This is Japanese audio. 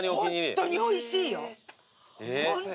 ホントにおいしい。